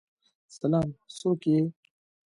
سلام، څوک یی؟